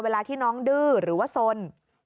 เวลาที่น้องดื้อหรือว่าสน